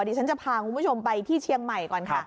ถึงฉันจะพางุมประชมไปที่เชียงใหม่ก่อน